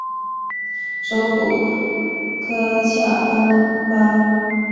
首府科恰班巴。